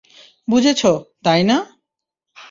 বুঝেছ, তাই না?